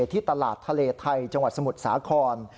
ที่ตลาดทะเลไทยจังหวัดสมุทรสาคร